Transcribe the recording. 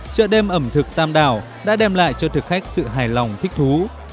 chợ đêm ẩm thực tam đảo đã đem lại cho thực khách sự hài lòng thích thú